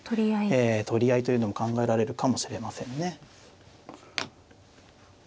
ええ取り合いというのも考えられるかもしれませんね。